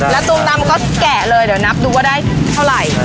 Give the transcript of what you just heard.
แล้วตูมดำก็แกะเลยเดี๋ยวนับดูว่าได้เท่าไหร่